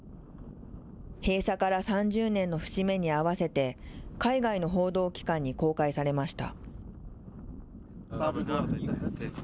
閉鎖から３０年の節目に合わせて、海外の報道機関に公開されました。